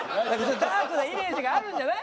ダークなイメージがあるんじゃない？